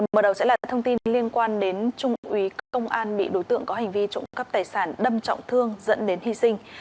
mở đầu sẽ là thông tin liên quan đến trung ủy cơ quan bị đối tượng có hành vi trộm cắp tài sản đâm trọng thương dẫn đến hy sinh